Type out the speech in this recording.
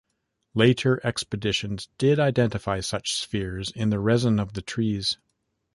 Later expeditions did identify such spheres in the resin of the trees.